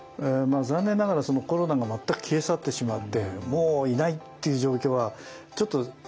残念ながらコロナが全く消え去ってしまってもういないっていう状況はちょっと考えにくいんですよね。